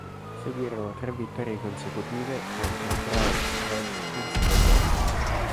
Seguirono tre vittorie consecutive contro Browns, Redskins e Dolphins.